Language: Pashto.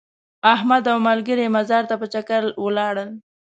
احمد او ملګري مزار ته په چکر ولاړل.